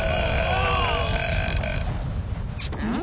うん？